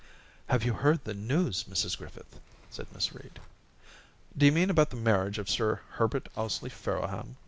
* Have you heard the news, Mrs Griffith ?' said Miss Reed. ' D'you mean about the marriage of Sir Herbert Ously Farrowham